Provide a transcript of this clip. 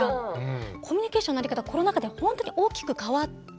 コミュニケーションの在り方がコロナ禍で本当に大きく変わって。